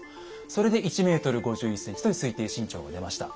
それで１ｍ５１ｃｍという推定身長が出ました。